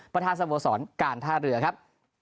ประธาสมสรรค์การท่าเรือครับ